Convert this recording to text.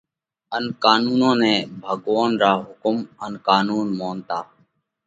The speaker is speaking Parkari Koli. ان قانونون نئہ ڀڳوونَ را حُڪم ان قانُون مونتا